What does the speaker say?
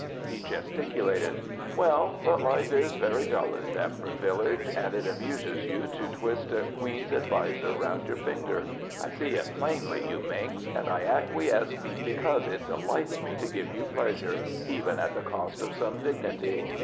He gesticulated. "Well, but life is very dull in Deptford village, and it amuses you to twist a Queen's adviser around your finger! I see it plainly, you minx, and I acquiesce because, it delights me to give you pleasure, even at the cost of some dignity.